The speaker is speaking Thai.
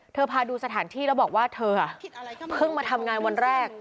พาดูสถานที่แล้วบอกว่าเธอเพิ่งมาทำงานวันแรก